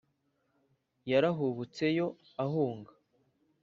Yarahubutse yo ahunga